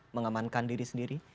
mengamankan diri sendiri